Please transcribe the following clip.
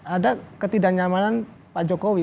ada ketidaknyamanan pak jokowi